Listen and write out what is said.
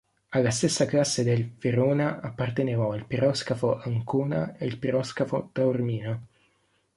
Alla stessa classe del "Verona" appartenevano il piroscafo "Ancona" e il piroscafo "Taormina.